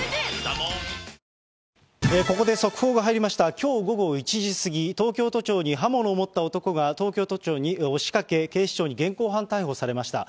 きょう午後１時過ぎ、東京都庁に刃物を持った男が、東京都庁に押しかけ、警視庁に現行犯逮捕されました。